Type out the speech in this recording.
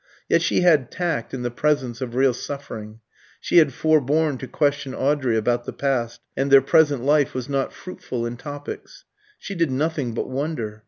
Yet she had tact in the presence of real suffering. She had forborne to question Audrey about the past, and their present life was not fruitful in topics. She did nothing but wonder.